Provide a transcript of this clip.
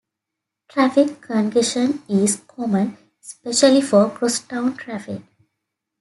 Traffic congestion is common, especially for crosstown traffic.